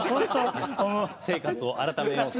生活を改めようと。